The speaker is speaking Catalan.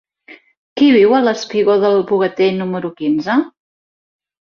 Qui viu al espigó del Bogatell número quinze?